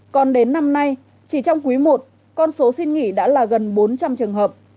còn đến năm nay chỉ trong quý i con số xin nghỉ đã là gần bốn trăm linh trường hợp